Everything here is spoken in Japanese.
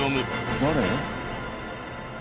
誰？